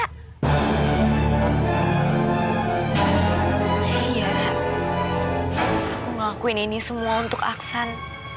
hei yara aku ngelakuin ini semua untuk aksan